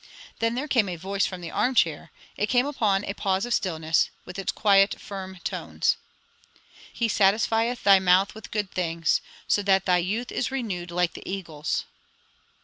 Then there came a voice from the arm chair, it came upon a pause of stillness, with its quiet, firm tones: 'He satisfieth thy mouth with good things, so that thy youth is renewed like the eagle's.'"